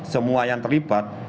semua yang terlibat